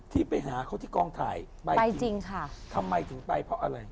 ที่ไปหาเขาที่กองถ่ายไปจริงค่ะทำไมถึงไปเพราะอะไร